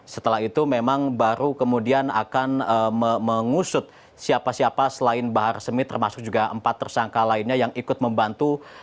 setelah itu memang baru kemudian akan mengusut siapa siapa selain bahar smith termasuk juga empat tersangka lainnya yang ikut membantu